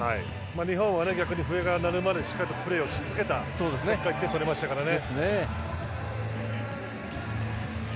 日本は逆に笛が鳴るまでしっかりとプレーをし続けた結果点を取りましたからね。